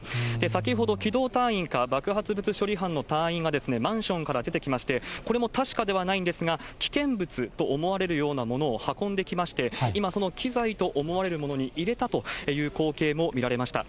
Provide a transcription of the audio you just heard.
先ほど、機動隊員か、爆発物処理班の隊員がマンションから出てきまして、これも確かではないんですが、危険物と思われるようなものを運んできまして、今、その機材と思われるものに入れたという光景も見られました。